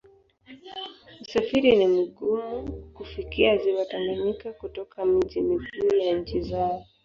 Usafiri ni mgumu kufikia Ziwa Tanganyika kutoka miji mikuu ya nchi zao.